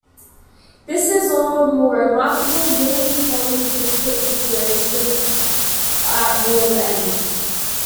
This is all the more remarkable, given Poland's difficult situaltion at war's end.